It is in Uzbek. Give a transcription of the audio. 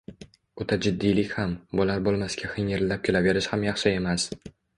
O‘ta jiddiylik ham, bo‘lar-bo‘lmasga hingirlab kulaverish ham yaxshi emas.